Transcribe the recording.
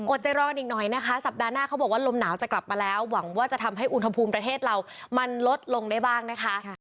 ใจร้อนอีกหน่อยนะคะสัปดาห์หน้าเขาบอกว่าลมหนาวจะกลับมาแล้วหวังว่าจะทำให้อุณหภูมิประเทศเรามันลดลงได้บ้างนะคะ